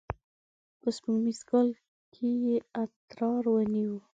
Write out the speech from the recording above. په سپوږمیز کال کې یې اترار ونیو.